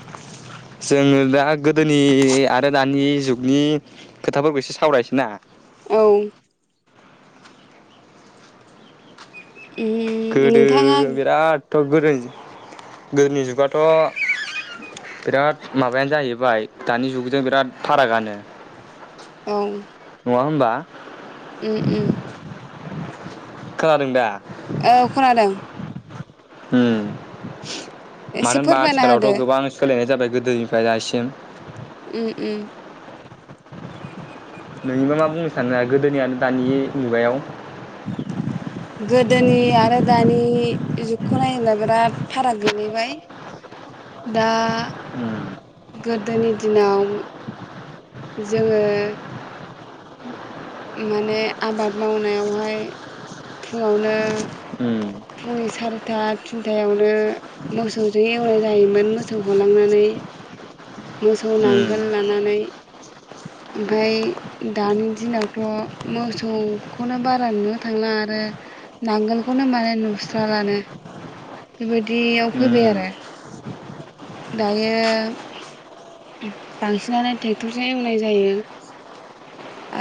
[inaudible] जोङो दा गोदोनि आरो दानि जुगनि खोथाफोरखौ एसे सावरायसै ना। औ। उम गोदो नोंथाङा बिरादथ' गोदो गोदोनि जुगाथ' बिराद माबायानो जाहैबाय दानि जुगजों बिराद फारागानो। ओं। नङा होमबा? उम उम। खोनादों दा? औ खोनादों। होम। मानो एसे होनबा फोरमायना होदो आथिखालावथ' गोबां सोलायनाय जाबाय गोद गोदोनिफ्राय दासिम उम उम। नोंनिबा मा बुंनो सानो गोदोनियानो दानि मुगायाव गोदोनि आरो दानि जुगखौ नायोब्ला बिराद फाराग गोलैबाय दा उम गोदोनि दिनाव जोङो माने आबाद मावनाययावहाय फुङावनो उम फुंनि सारिथा थिनथायावनो मोसौजों एवरायनाय जायोमोन मोसौ होलांनानै मोसौ उम नांगोल लानानै ओमफ्राय दानि दिनावथ' मोसौखौनो बारा नुनो थांला आरो नांगोलखौनो माने नुस्रा लानो बेबायदियाव फैबाय उम आरो । दायो बांसिनानो ट्रेक्टरजों एवनाय जायो ।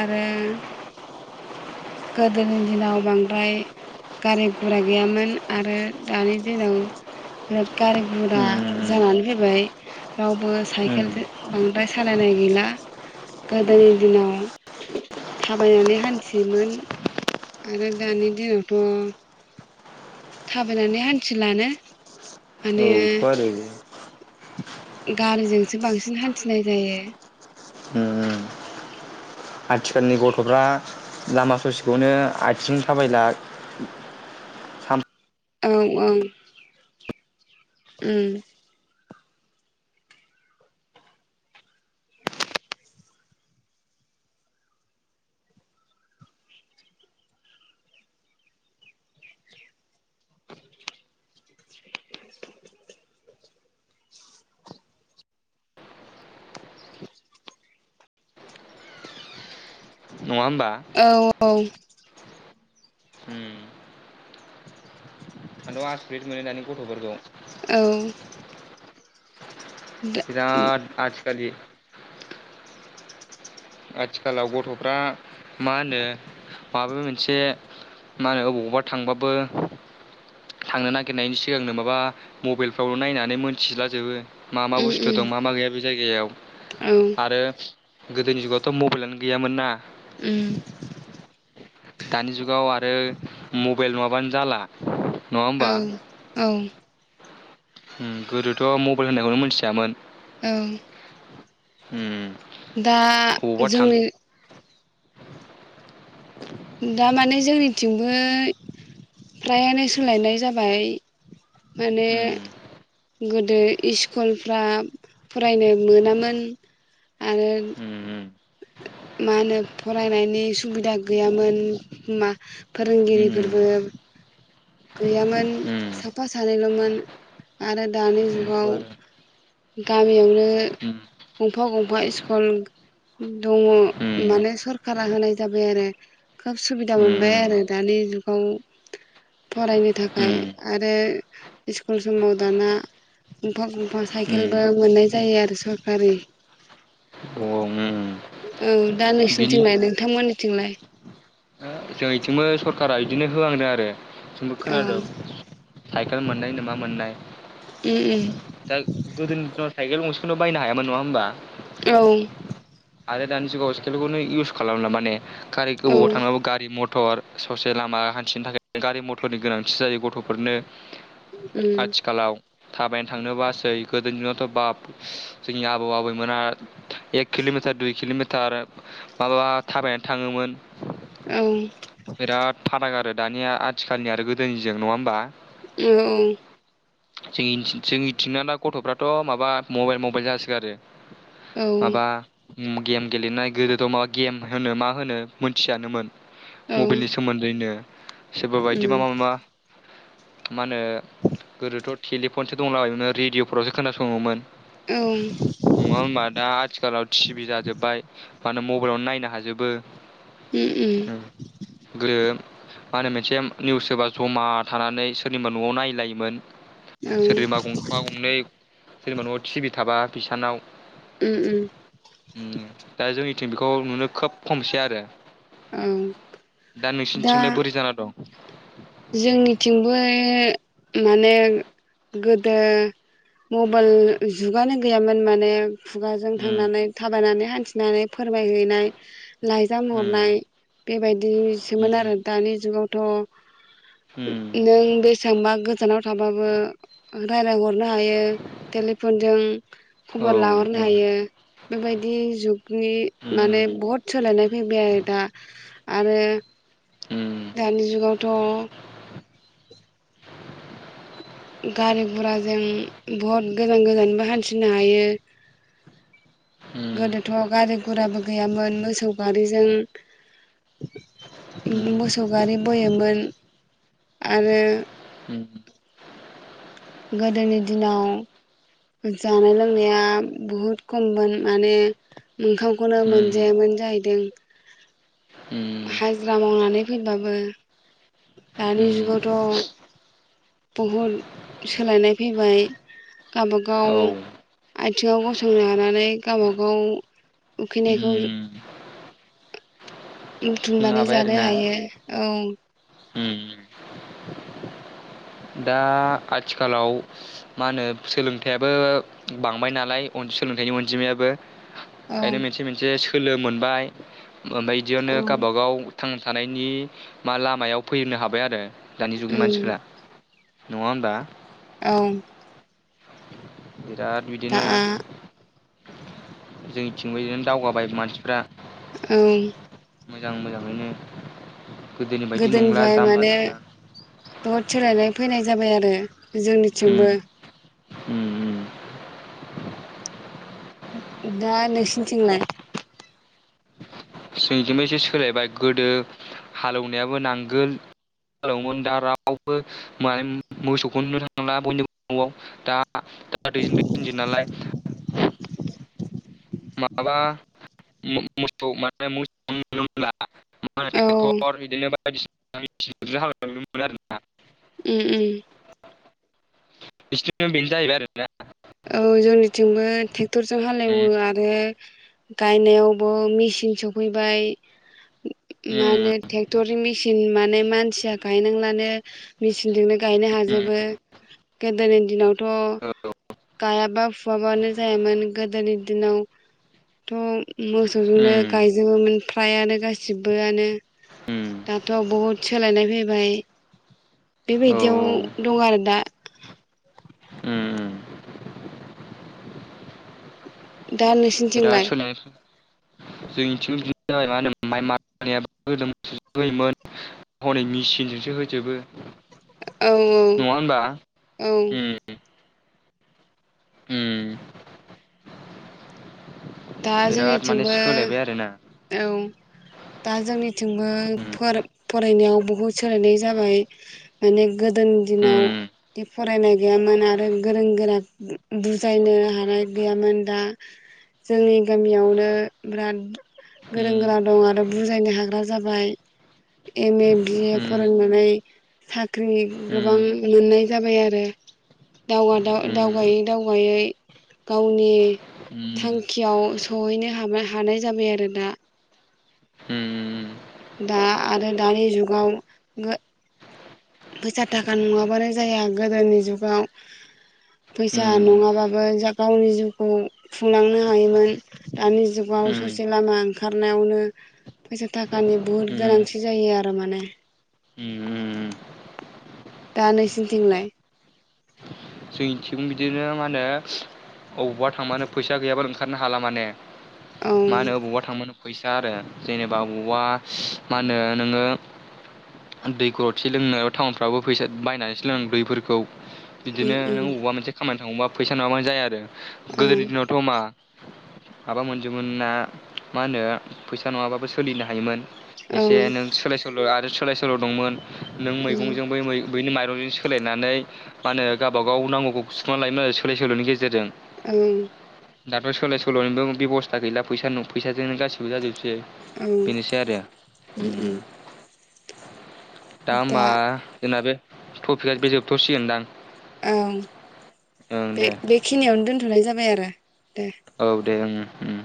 आरो गोदोनि दिनाव बांद्राय गारि गुरा गैयामोन आरो दानि दिनाव बिराद गारि गुरा उम जानानै फैबाय रावबो उम साइकेल बांद्राय सालायनाय गैला गोदोनि दिनाव थाबायनानै हान्थियोमोन आरो दानि दिनावथ' थाबायनानै हान्थिलानो। माने थ' आरो । गारिजोंसो बांसिन हान्थिनाय जायो । उम [inaudible] आथिखालनि गथ'फ्रा लामा ससेखौनो आथिं थाबायला। साम औ औ उम। नङा होमबा औ औ। हम। आंथ' आसरित मोनो दानि गथ'फोरखौ औ। दा बिराद आजि जिकालि आथिखालाव गथ'फ्रा मा होनो माबा मोनसे मा होनो अबावबा थांबाबो थांनो नागिरनायनि सिगांनो माबा मबाइलफ्राव नायनानै मोनथिलाजोबो । मा मा उम बुस्थु दं मा मा गैया बे जायगायाव उम औ आरो गोदोनि जुगावथ' मबाइलानो गैयामोन ना। उम दानि जुगाव आरो मबाइल नङाबानो जाला। नङा औ होमबा औ। उम गोदोथ' मबाइल होनायखौनो मिथियामोन। औ। हम। दा जोंनि दामाने जोंनिथिंबो फ्रायानो सोलायनाय जाबाय। माने उम गोद दो इसकुलफ्रा फरायनो मोनामोन आरो उम मा होनो फरायनायनि सुबिदा गैयामोन मा। उम फोरोंगिरिफोरबो गैयामोन उम साफा सानैल'मोन आरो दानि बेनोथ' जुगाव आरो गामियावनो उम गंफां गं फा स्कुल दङ उम माने सरखारा होनाय जाबाय आरो। खोब सुबिदा मोनबाय उम आरो दानि [unintelligible] फरायनो थाखाय उम आरो। स्कुल समाव दाना गंफां गंफां साय उम खेलबो मोननाय जायो आरो सर आरै औ। दा बिनि नोंसोरनिथिंलाय नोंथांमोननिथिंलाय। जोंइथिंबो सरकारा इदिनो होआंदो आरो। जोंबो औ खोनादों। साइकेल मोन्नाय नोमा मोन्नाय दा गोदो दिनाव साइकेल गंसे खुनु बायनो हायामोन नङा होमबा। औ। आरो दानि जुगाव स्केलखौनो इउस खालामला माने- खारि उम गोबाव औ थांबाबो गारि। मटर ससे लामा हान्थिनो थाखाय गारि मथरनि गोनांथि जायो गथ'फोरनो। आथिखालाव थाबायनो थांनोबासै गोदोनि दिनावथ' बाप जोंनि आबौ आबैमोना एक किल'मिटार दुइ किल'मिटार माबा थाबायनो थाङोमोन औ। बिराद फाराग आरो दानिया आथिखालनि आरो गोदोनिजों नङा होमबा। [unintelligible] जों इनसि जोंनिथिंनाना गथ'फ्राथ' माबा मबाइल मबाइल जासो गारो। औ माबा। उम गेम गेलेनाय गोदोथ' माबा गेम होनो मा होनो मोनथियानोमोन औ मबाइलनि सोमोन्दैनो सोरबा बायदि उम बा माबा। मा होनो गोदोथ'। टेलिफनसो दंलाबायोमोन रेडिअफोरावसो खोनासङोमोन। औ नङा होमबा दा आथिखालाव थिभि जाजोब्बाय मानो मबाइलावनो नायनो हाजोबो। उम गोदो मा होनो मोनसे निउस होबा जमा थानानै सोरनिबा न'आव नायलायोमोन। औ सोरनिबा गंफा गंनै जेनेबा न'आव टिभि थाबा बिसानाव उम उम उम दा जोंनिथिं बेखौ नुनो खोब खमसै आरो औ दा नोंसिनिथिंलाय बोरै जाना दं? जोंनिथिंबो माने गोदो मबाइल जुगानो गैयामोन माने खुगाजों उम थांनानै थाबायनानै हाय थिनानै फोरमायहैनाय लाइजाम उम हरनाय बेबायदिसोमोन उम आरो दानि जुगाव दङ। उम नों बेसांबा गोजानाव थाबाबो रायलायहरनो हायो टेलिफनजों औ खबर लाहरनो उम हायो बेबायदि जुगनि उम माने बहत सोलायनाय फैबाय आरो दा। आरो उम दानि जुगावथ' गारि गुराजों बहत गोजान गोजानबो हान्थिनो हायो। उम गोदोथ' गारि गुराबो गैयामोन मोसौ गारिजों मोसौ गारि बोयोमोन आरो उम गोदोनि दिनाव जानाय लोंनाया बुहुद खममोन माने ओंखामखौनो उम मोनजायामोन जाय दों उम हाजिरा मावनानै फैबाबो दानि उम जुगावथ' बहुद सोलायनाय फैबाय औ गावबागाव आथिङाव गसंनो हानानै गावबागाव उखैनायखौ उम बुंनो बुथुमनानै हाबाय जानो हायो औ। उम दा आथिखालाव मानो सोलोंथाइआबो बांबाय नालाय अन सोलोंथाइनि अनजिमायाबो। औ [unintelligible] मोनसे मोनसे सो सोलो मोनबाय। ओमफाय इदियावनो उम गाबागाव थांना थानायनि मा लामायाव फैनो हाबाय आरो। दानि जुगनि मानसिफ्रा नङा होमबा? औ। बिराद दा बिदिनो जोंनिथिंबो इदिनो दावगाबाय मानसिफ्रा ओं। मोजां मोजाङैनो गोदोनि बायदि नंला गोदोनिफ्राय जाम्बा माने जाम्बा बहद सोलायनाय फैनाय जाबाय आरो जोंनिथिंबो उम उम। दा नोंसिथिंलाय? [unintelligible] एसे सोलायबाय गोदो हालेवनायाबो नांगोल [unintelligible] दा रावबो [unintelligible] मोसौखौनो नुनो थांदला बयनिबो न'वाव दा [unintelligible] [unintelligible] माबा मो- मोसौ माने मोसौखोनों नुनो मोनला। मालाय औ उम ट्रेक्टर बिदिनो बाय बायदिसिना हालायलांनो मोनो आरो ना। उम उम। बिसोरना बेनो जाहैबाय आरोना। औ जोंनिथिंबो [unintelligible] ट्रेक्टरजों हालेवो उम आरो। गायनायावबो मेचिन सफैबाय। मा होनोे उम [unintelligible] टेक्टर मेसिन माने मानसिया गायनांलानो मेचिनजोंनो गायनो हाजोबो गोदोनि दिनावथ' उम औ गायाबा फुवाबानो जायामोन गोदोनि दिनावथ' उम मोसौजोंनो गायजोबोमोन फ्रायानो गासिबोआनो दाथ' बहुद सोलायनाय फैबाय औ बेबायदियाव उम दं आरो दा। उम दा नोंसिनिथिंलाय? जोंनिथिंबो बिदिनो जाबाय मा होनो माइ मारोन होनायाबो गोदो मोसौजों होयोमोन हनै मेचिनजोंसो होजोबो। औ नङा होनबा औ औ। उम उम। दा बिराद माने जोंनिथिंबो सोलायबाय आरोना औ दा जोंनिथिंबो उम फोर फरायनायाव बहुद सोलायनाय जाबाय माने गोदोनि दिनाव दि फरायनाय गैयामोन आरो गोरों -गोरा बुजायनो हानाय गैयामोन दा जोंनि गामियावनो बिराद गोरों उम गोरा दं आरो बुजायनो हाग्रा जाबाय एम ए, बि ए उम फरायनानै साख्रि उम गोबां मोननाय जाबाय आरो दव आदाव उम दावगायै दावगायै गावनि उम थांखियाव सहैनो हाबा हानाय जाबाय आरो दा। उम दा आरो दानि जुगाव [unintelligible] फैसा थाखा नङाबानो जाया गोदोनि जुगाव फैसा नङाबाबो जा गावनि जिउखौ खुंलांनो हायोमोन दानि जुगाव उम ससे लामा ओंखारनायावनो फैसा थाखानि उम बुहुद उम गोनांथि जायो आरो माने। दा नोंसिनिथिंलाय? जोंनिथिं बिदिनो मा होनो अबावबा थांबानो फैसा गैयाबानो ओंखारनो हाला माने। औ मा होनो अबावबा थां फैसा आरो जेनेबा अबावबा मा होनो नोङो दै गरदसि लोंनो टाउनफ्रावबो फैसा बायनानैसो लोंनौ दैफोरखौ। उम बिदिनो नों उम अबावबा मोनसे खामानि नङबा फैसा नङाबानो जाया आरो। औ गोदोनि दिनावथ मा माबा मोनजोबमोनना मा होनो फैसा नङाबाबो सोलिनो हायोमोन। ओं एसे नों सोलाय सोल आरो आरो सोलाय सोल दंमोन। नों ओं मैगंजों बै मै बैनो माइ सोलायनानै मा होनो गाबबा गाव नांगौखौ सुफुंना लायोमोन आरो सोलाय सोलनि गेजेरजों। ओम दाथ सोलाय सोलनिबो बेबस्था गैला फैसा न फैसाजोंनो गासिबो जाजोबसै। बे ओं बेनोसै आरो उम उम दामा दा जोंनाबो टपिकआ बे जोबथ'सिगोनदां औ ओं बे दे बेखिनियावनो दोनथ'नाय जाबा बाय आरो दे औ दे ओं उम